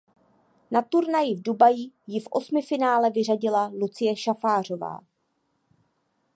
Na turnaji v Dubaji ji v osmifinále vyřadila Lucie Šafářová.